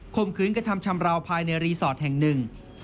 มขืนกระทำชำราวภายในรีสอร์ทแห่งหนึ่ง